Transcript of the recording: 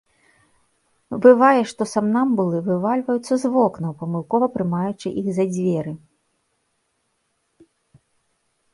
Бывае, што самнамбулы вывальваюцца з вокнаў, памылкова прымаючы іх за дзверы.